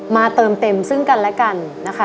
มาเติมเต็มซึ่งกันและกัน